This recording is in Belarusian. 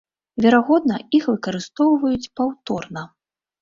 Верагодна, іх выкарыстоўваюць паўторна.